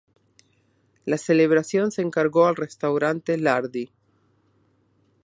La celebración se encargó al restaurante Lhardy.